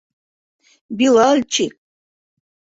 Билалчик!